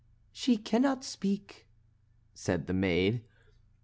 "She cannot speak," said the maid.